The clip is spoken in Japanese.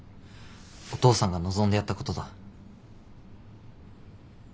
お父さんが望んでやったことだ。